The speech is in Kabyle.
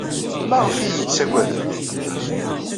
Maɣef ay iyi-ttaggadent?